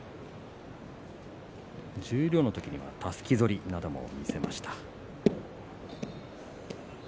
十両の時にはたすき反りなどもありました。